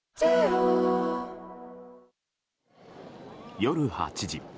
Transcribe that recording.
夜８時。